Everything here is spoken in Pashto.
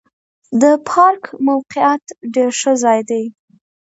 د پارک موقعیت ډېر ښه ځای دی.